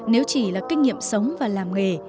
nếu chỉ là kinh nghiệm sống và làm nghề